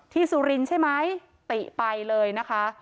สุรินทร์ใช่ไหมติไปเลยนะคะ